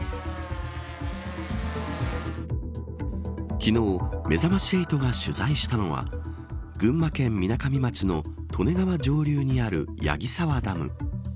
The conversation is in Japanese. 昨日、めざまし８が取材したのは群馬県みなかみ町の利根川上流にある矢木沢ダム。